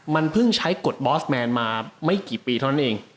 มันพึ่งใช้กรดบอสแมนน์มาอยู่ไม่กี่ปีเท่านั้นเอง